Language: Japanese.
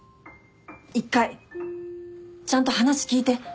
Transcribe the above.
一回ちゃんと話聞いて。